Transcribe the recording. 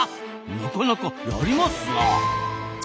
なかなかやりますな。